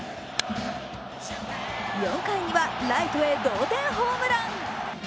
４回にはライトへ同点ホームラン。